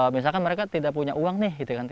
misalkan mereka tidak punya uang nih